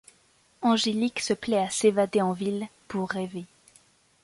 Angélique se plaît à s'évader en ville, pour rêver.